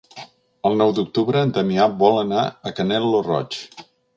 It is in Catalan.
El nou d'octubre en Damià vol anar a Canet lo Roig.